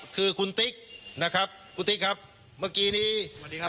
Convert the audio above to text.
คือคุณติ๊กนะครับคุณติ๊กครับเมื่อกี้นี้สวัสดีครับ